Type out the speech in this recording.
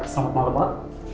selamat malam pak